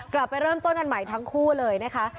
เริ่มต้นกันใหม่ทั้งคู่เลยนะคะ